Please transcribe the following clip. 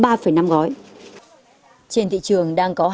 trên thị trường đang có hàng triệu sản phẩm đóng gói sẵn